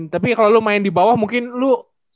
tapi kalau lo main di bawah mungkin lu